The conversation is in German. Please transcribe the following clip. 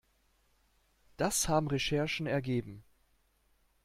Das haben Recherchen ergeben.